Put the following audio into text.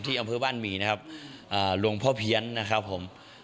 อำเภอบ้านหมี่นะครับหลวงพ่อเพี้ยนนะครับผม